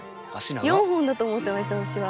４本だと思ってました私は。